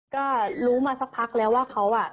ก็รู้มาสักพักแล้วว่าเขาอ่ะ